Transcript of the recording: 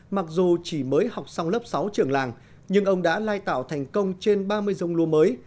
mặc dù chỉ mới học xong lớp sáu trường làng nhưng ông đã lai tạo thành công trên ba mươi dông lúa mới